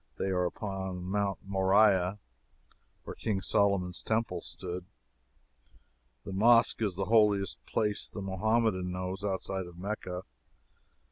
They are upon Mount Moriah, where King Solomon's Temple stood. This Mosque is the holiest place the Mohammedan knows, outside of Mecca.